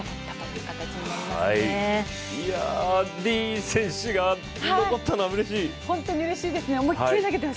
いや、ディーン選手が残ったのはうれしい。